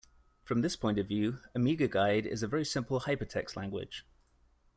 From this point of view, AmigaGuide is a very simple hypertext language.